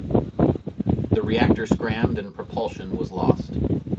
The reactor scrammed and propulsion was lost.